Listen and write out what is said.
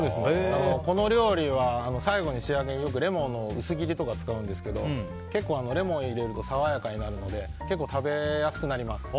この料理は仕上げによくレモンの薄切りとか使うんですけど結構、レモンを入れると爽やかになるので結構食べやすくなります。